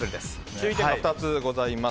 注意点が２つございます。